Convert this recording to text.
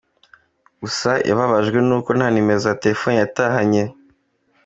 Gusa yababajwe n'uko nta nimero za telefone yatahanye.